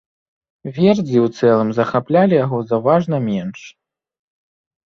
Вердзі, у цэлым захаплялі яго заўважна менш.